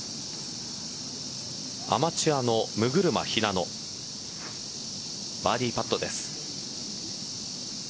アマチュアの六車日那乃バーディーパットです。